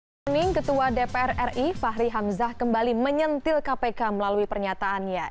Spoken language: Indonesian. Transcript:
pada pagi ini ketua dpr ri fahri hamzah kembali menyentil kpk melalui pernyataannya